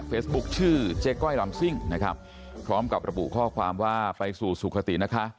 ชื่อเจ๊ก้อยลำซิ่งนะครับพร้อมกับระบุข้อความว่าไปสู่สุขตินะคะ